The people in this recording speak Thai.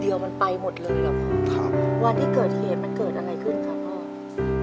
เดียวมันไปหมดเลยเหรอพ่อครับวันที่เกิดเหตุมันเกิดอะไรขึ้นครับพ่อ